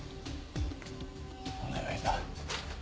お願いだ。